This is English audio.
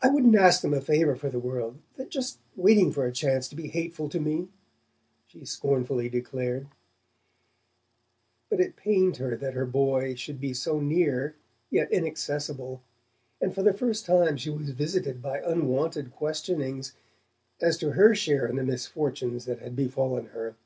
"I wouldn't ask them a favour for the world they're just waiting for a chance to be hateful to me," she scornfully declared; but it pained her that her boy, should be so near, yet inaccessible, and for the first time she was visited by unwonted questionings as to her share in the misfortunes that had befallen her.